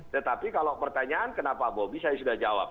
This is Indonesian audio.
tetapi kalau pertanyaan kenapa bobi saya sudah jawab